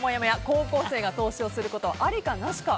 高校生が投資をすることありかなしか。